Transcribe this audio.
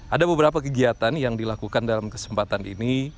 ada beberapa kegiatan yang dilakukan dalam kesempatan ini